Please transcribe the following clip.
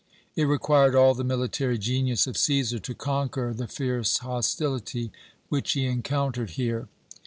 It required all the military genius of Cæsar to conquer the fierce hostility which he encountered here.